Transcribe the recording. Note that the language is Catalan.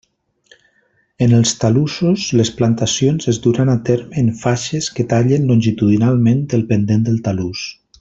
En els talussos les plantacions es duran a terme en faixes que tallen longitudinalment el pendent del talús.